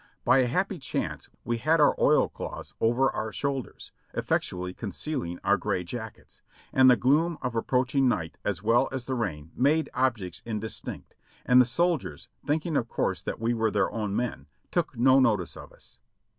By a happy chance we had our oilcloths over our shoulders, effectually concealing our gray jackets, and the gloom of ap proaching night as well as the rain made objects indistinct, and the soldiers, thinking of course that we were their own men, took no notice of us.